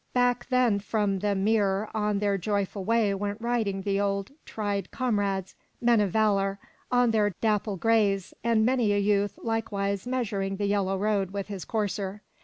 Back then from the mere on their joyful way went riding the old tried com rades, men of valor, on their dapple grays, and many a youth, likewise, measuring the yellow road with his courser.